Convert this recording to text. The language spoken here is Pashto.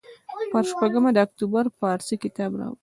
پر شپږمه د اکتوبر پارسي کتاب راوړ.